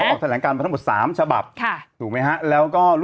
เขาออกแถลงการมาทั้งหมด๓ฉบับถูกมั้ยฮะ